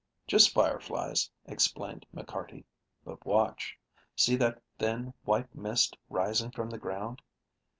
"Just fireflies," explained McCarty. "But watch. See that thin white mist rising from the ground?"